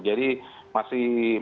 jadi masih masih